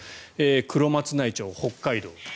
黒松内町、北海道。